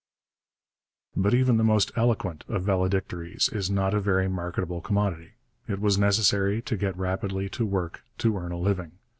But even the most eloquent of valedictories is not a very marketable commodity. It was necessary to get rapidly to work to earn a living.